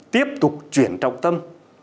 tiếp tục chuyển trọng tâm